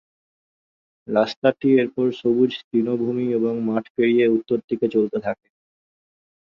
রাস্তাটি এরপর সবুজ তৃণভূমি এবং মাঠ পেরিয়ে উত্তর দিকে চলতে থাকে।